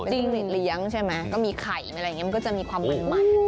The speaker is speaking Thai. ไม่ต้องเลยเลี้ยงใช่ไหมก็มีไข่อะไรอย่างเงี้ยมันก็จะมีความเหมือนหมาย